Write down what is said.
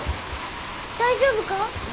大丈夫か？